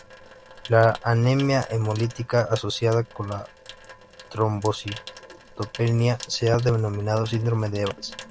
La anemia hemolítica asociada con la trombocitopenia se ha denominado Síndrome de Evans.